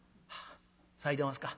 「さいでおますか。